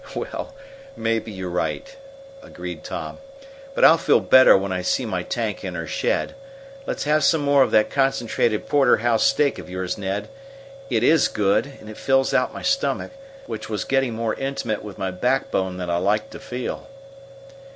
"Well, maybe you're right," agreed Tom; "but I'll feel better when I see my tank in her shed. Let's have some more of that concentrated porterhouse steak of yours, Ned. It is good, and it fills out my stomach, which was getting more intimate with my backbone than I liked to feel."